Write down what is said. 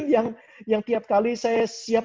ini tim yang tiap kali saya siap